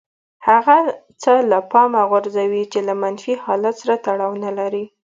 هغه څه له پامه غورځوي چې له منفي حالت سره تړاو نه لري.